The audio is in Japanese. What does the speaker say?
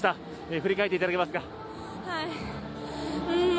振り返っていただけますか。